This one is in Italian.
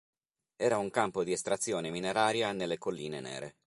Era un campo di estrazione mineraria nelle Colline Nere.